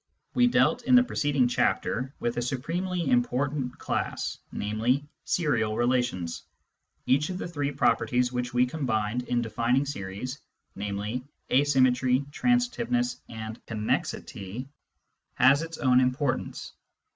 We dealt in the preceding chapter with a supremely important class, namely, serial relations. Each of the three properties which we combined in defining series — namely, asymmetry, transitiveness, and connexity — has its own importance.